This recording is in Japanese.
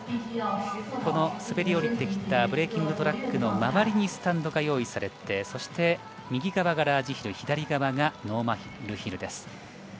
この滑り降りてきたブレーキングトラックの周りにスタンドが用意されてそして、右側がラージヒル左側がノーマルヒルです。